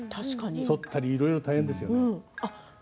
反ったりいろいろ大変ですよね。